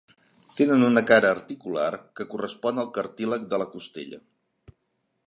Tenen una cara articular que correspon al cartílag de la costella.